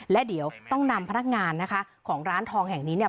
และเดี๋ยวต้องนำพนักงานนะคะของร้านทองแห่งนี้เนี่ย